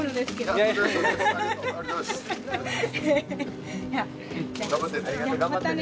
頑張ってね。